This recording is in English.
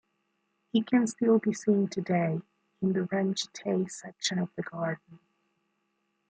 It can still be seen today in the Renchitei section of the garden.